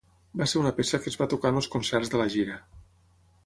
Va ser una peça que es va tocar en els concerts de la gira.